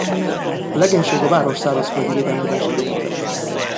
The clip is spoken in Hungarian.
A legénység a város szárazföldi védelmében segédkezett.